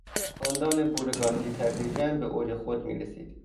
خاندان بور گاندی تدریجا به اوج خود میرسید.